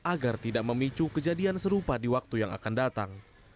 agar tidak memicu kejadian serupa di waktu yang akan datang